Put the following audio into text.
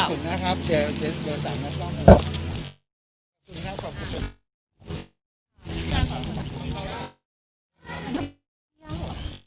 ขอบคุณนะครับเจ๊เจ๋งสามน้ำส่อง